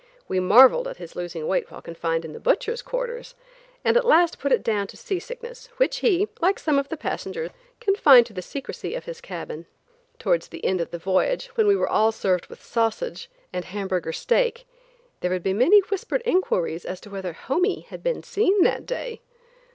We marveled at his losing weight while confined in the butcher's quarters, and at last put it down to sea sickness, which he, like some of the passengers, confined to the secrecy of his cabin. Towards the end of the voyage, when we were all served with sausage and Hamburger steak, there would be many whispered inquiries as to whether "Homie" had been seen that day.